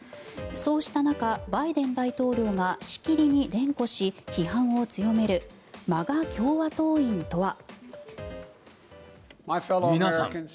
そうした中、バイデン大統領がしきりに連呼し批判を強めるＭＡＧＡ共和党員とは。